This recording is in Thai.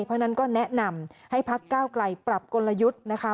เพราะฉะนั้นก็แนะนำให้พักเก้าไกลปรับกลยุทธ์นะคะ